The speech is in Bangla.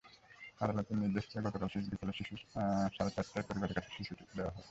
আদালতের নির্দেশ পেয়ে গতকাল বিকেল সাড়ে চারটায় পরিবারের কাছে শিশুটিকে দেওয়া হয়।